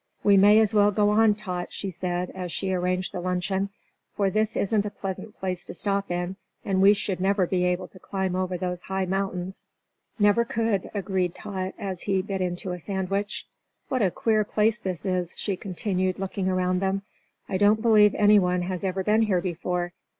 "We may as well go on, Tot," she said, as she arranged the luncheon; "for this isn't a pleasant place to stop in, and we should never be able to climb over those high mountains." "Never could," agreed Tot, as he bit into a sandwich. "What a queer place this is," she continued, looking around them. "I don't believe anyone has ever been here before.